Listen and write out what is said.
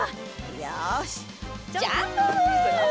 よしジャンプ！